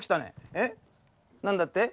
えっなんだって？